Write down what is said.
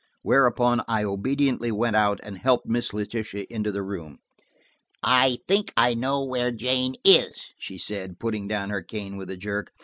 Whereupon I obediently went out and helped Miss Letitia into the room. "I think I know where Jane is," she said, putting down her cane with a jerk.